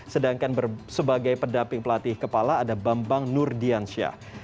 sedangkan sebagai pendamping pelatih kepala ada bambang nurdiansyah